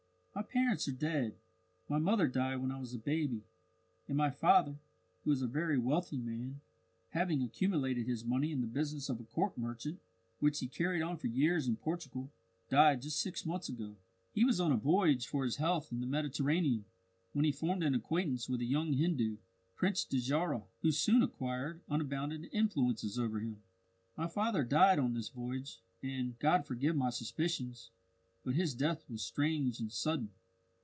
My parents are dead my mother died when I was a baby, and my father, who was a very wealthy man having accumulated his money in the business of a cork merchant which he carried on for years in Portugal died just six months ago. He was on a voyage for his health in the Mediterranean, when he formed an acquaintance with a young Hindu, Prince Dajarah who soon acquired unbounded influence over him. My father died on this voyage, and God forgive my suspicions! but his death was strange and sudden.